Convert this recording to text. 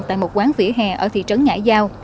tại một quán vỉa hè ở thị trấn ngãi giao